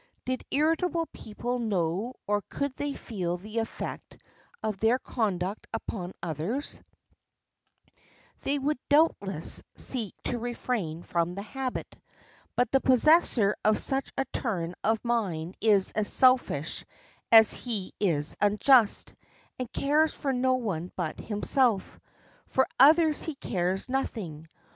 Did irritable people know or could they feel the effect of their conduct upon others, they would doubtless seek to refrain from the habit; but the possessor of such a turn of mind is as selfish as he is unjust, and cares for no one but himself. For others he cares nothing.